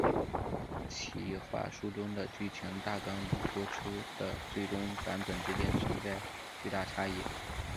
企划书中的剧情大纲与播出的最终版本之间存在巨大差异。